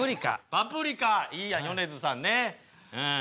「パプリカ」いいやん米津さんねうん。